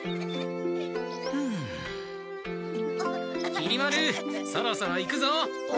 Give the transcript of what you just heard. きり丸そろそろ行くぞ！